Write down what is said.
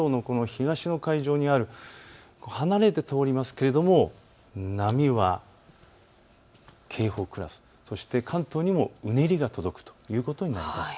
小笠原諸島の東の海上にある、離れて通りますけれども波は警報クラス、そして関東にもうねりが届くということになります。